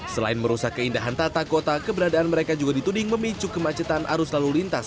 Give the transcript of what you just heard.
selain merusak keindahan tata kota keberadaan mereka juga dituding memicu kemacetan arus lalu lintas